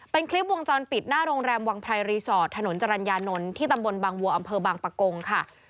เป็นคลิปวงจรปิดหน้าโรงแรมวังไพรรีสอร์ทถนนจรรยานนท์ที่ตำบลบางวัวอำเภอบางปะกงค่ะ